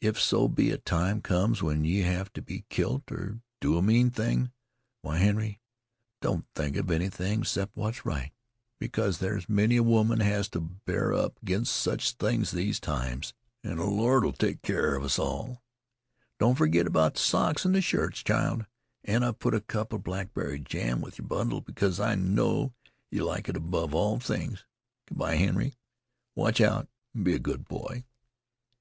If so be a time comes when yeh have to be kilt or do a mean thing, why, Henry, don't think of anything 'cept what's right, because there's many a woman has to bear up 'ginst sech things these times, and the Lord 'll take keer of us all. "Don't forgit about the socks and the shirts, child; and I've put a cup of blackberry jam with yer bundle, because I know yeh like it above all things. Good by, Henry. Watch out, and be a good boy."